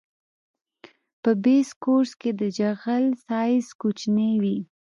په بیس کورس کې د جغل سایز کوچنی وي